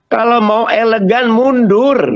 kalau mau elegan mundur